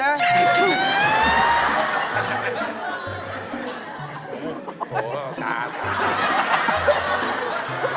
โอ้โฮโอ้โฮตาซะ